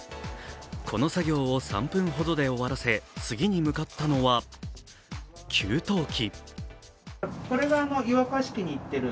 この作業を３分ほどで終わらせ、次に向かったのは給湯器。